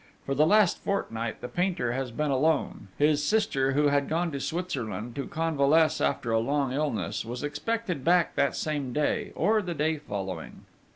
For the last fortnight the painter has been alone: his sister, who had gone to Switzerland to convalesce after a long illness, was expected back that same day, or the day following.